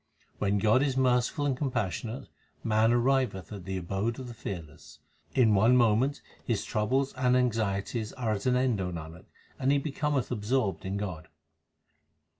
When God is merciful and compassionate, man arriveth at the abode of the Fearless. In one moment his troubles and anxieties are at an end, O Nanak, and he becometh absorbed in God.